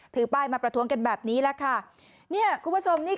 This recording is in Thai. ถือป้ายมาประท้วงกันแบบนี้แหละค่ะเนี่ยคุณผู้ชมนี่